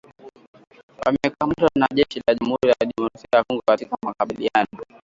wamekamatwa na jeshi la Jamuhuri ya Demokrasia ya Kongo katika makabiliano